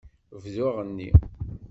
Bdu aɣenni.